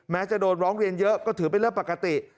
จะโดนร้องเรียนเยอะก็ถือเป็นเรื่องปกติ